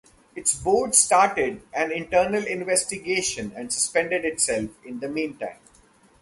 Its board started an internal investigation and suspended itself in the meantime.